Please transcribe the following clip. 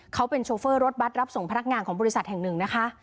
เขาเป็นโชเฟอร์รถบัตรรับส่งพนักงานของบริษัทแห่งหนึ่งนะคะ